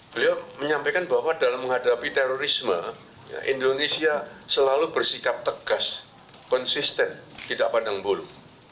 beliau menyampaikan bahwa dalam menghadapi terorisme indonesia selalu bersikap tegas konsisten tidak pandang bulu